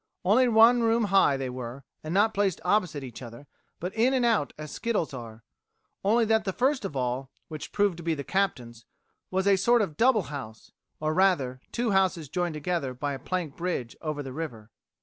Only one room high they were, and not placed opposite each other, but in and out as skittles are; only that the first of all, which proved to be the captain's was a sort of double house, or rather two houses joined together by a plank bridge over the river."